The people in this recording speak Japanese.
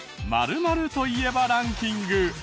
○○と言えばランキング。